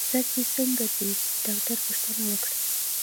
سر دي څنګه دی؟ ډاکټر پوښتنه وکړه.